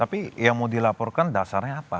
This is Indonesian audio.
tapi yang mau dilaporkan dasarnya apa